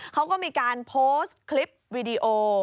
เขาก็มีการโพสต์คลิปวีดีโอ